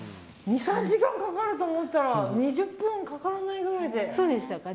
２３時間かかると思ったら２０分かからないくらいで。